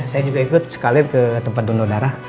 saya juga ikut sekalian ke tempat donor darah